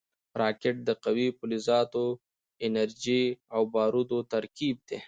راکټ د قوي فلزاتو، انرژۍ او بارودو ترکیب دی